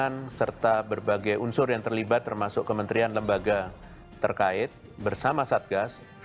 kementerian serta berbagai unsur yang terlibat termasuk kementerian lembaga terkait bersama satgas